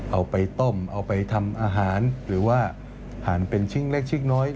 เอาไปต้มเอาไปทำอาหารหรือว่าหั่นเป็นชิ้นเล็กชิ้นน้อย